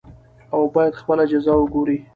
او بايد خپله جزا وګوري .